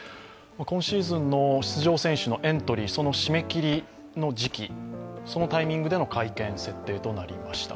今シーズンの出場選手のエントリー、その締め切りの時期、そのタイミングでの会見設定となりました。